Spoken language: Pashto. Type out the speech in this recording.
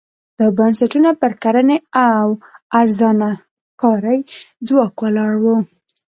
دا بنسټونه پر کرنې او ارزانه کاري ځواک ولاړ وو.